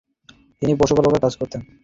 তিনি পশুপালকের কাজ করতেন।